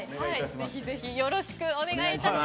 ぜひぜひよろしくお願いいたします。